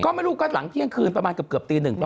ก็ไม่รู้ก็หลังเที่ยงคืนประมาณเกือบตีหนึ่ง